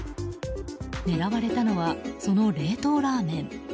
狙われたのはその冷凍ラーメン。